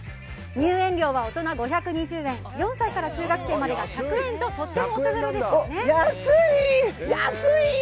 入園料は大人５２０円４歳から中学生までが１００円ととってもお手頃なんですよね。